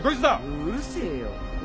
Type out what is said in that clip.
うっうるせえよ。